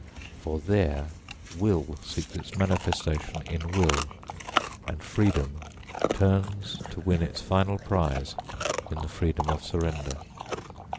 For there will seeks its manifestation in will, and freedom turns to win its final prize in the freedom of surrender.